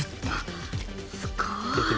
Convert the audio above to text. あすごい！